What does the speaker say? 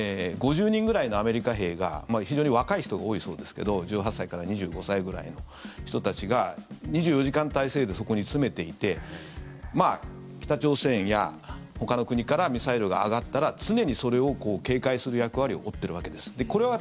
５０人ぐらいのアメリカ兵が非常に若い人が多いそうですけど１８歳から２５歳ぐらいの人たちが２４時間体制でそこに詰めていて北朝鮮や、ほかの国からミサイルが上がったら常にそれを警戒する役割を負ってるわけです。